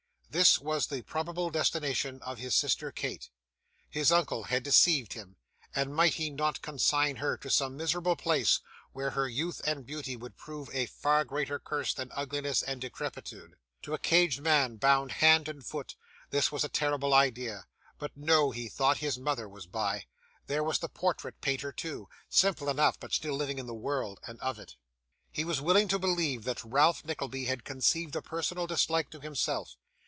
This was the probable destination of his sister Kate. His uncle had deceived him, and might he not consign her to some miserable place where her youth and beauty would prove a far greater curse than ugliness and decrepitude? To a caged man, bound hand and foot, this was a terrible idea but no, he thought, his mother was by; there was the portrait painter, too simple enough, but still living in the world, and of it. He was willing to believe that Ralph Nickleby had conceived a personal dislike to himself.